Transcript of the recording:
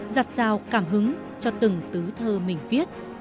giặt sao cảm hứng cho từng tứ thơ mình viết